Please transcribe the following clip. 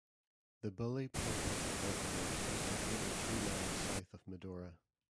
The Bully Pulpit Golf Course is located three miles south of Medora.